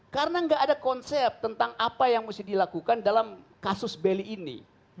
karena enggak ada konsep tentang apa yang harus dilakukan dalam kasus bali ini